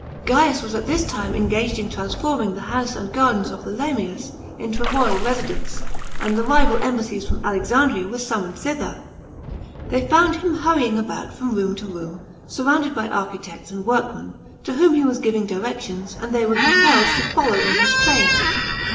Gaius was at this time engaged in transforming the house and gardens of the Lamias into a royal residence, and the rival embassies from Alexandria were summoned thither. They found him hurrying; about from room to room, surrounded by architects and workmen, to whom he was iiivinj directions, and th y were compelled to follow in his train.